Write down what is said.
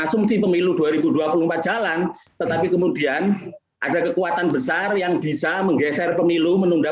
asumsi pemilu dua ribu dua puluh empat jalan tetapi kemudian ada kekuatan besar yang bisa menggeser pemilu menunda